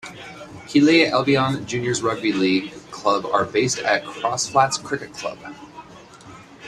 Keighley Albion Juniors Rugby League club are based at Crossflatts Cricket Club.